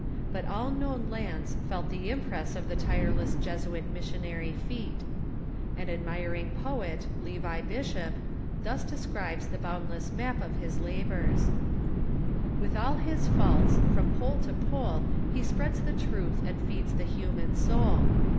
But all known lands felt the impress of the tireless Jesuit missionary feet. An admiring poet, Levi Bishop, thus describes the bound less map of his labors :" Willi all his faults, from pole to pole He spreads the truth and feeds the human soul.